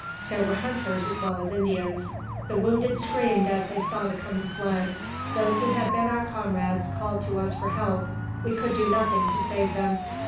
There were hunters as well as Indians. The wounded screamed as they saw the coming flood. Those who had been our comrades called to us for help; we could do nothing to save them.